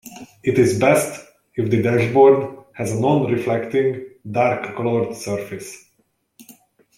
It is best if the dashboard has a non-reflecting dark colored surface.